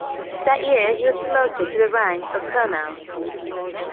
That year, he was promoted to the rank of colonel.